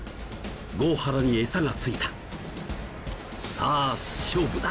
郷原にエサがついたさぁ勝負だ！